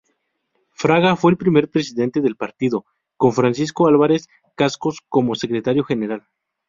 Fraga fue el primer presidente del partido, con Francisco Álvarez-Cascos como secretario general.